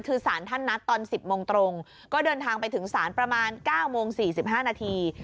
คือสารท่านนัดตอน๑๐โมงตรงก็เดินทางไปถึงศาลประมาณ๙โมง๔๕นาที